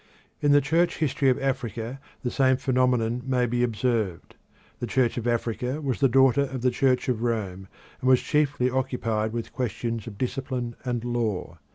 In the Church history of Africa the same phenomenon may be observed. The Church of Africa was the daughter of the Church of Rome, and was chiefly occupied with questions of discipline and law.